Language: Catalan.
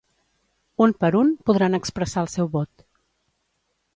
Un per un podran expressar el seu vot.